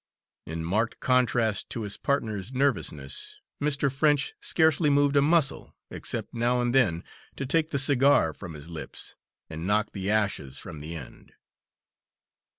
In marked contrast to his partner's nervousness, Mr. French scarcely moved a muscle, except now and then to take the cigar from his lips and knock the ashes from the end.